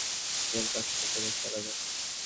এবার, কাজটা করে ফেলা যাক।